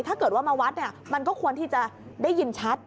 ถ้าเกิดว่ามาวัดมันก็ควรที่จะได้ยินชัด